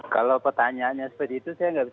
kalau pertanyaannya seperti itu saya nggak bisa